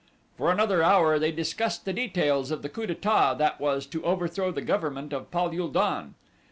For another hour they discussed the details of the coup d'etat that was to overthrow the government of Pal ul don.